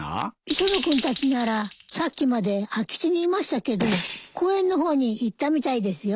磯野君たちならさっきまで空き地にいましたけど公園の方に行ったみたいですよ。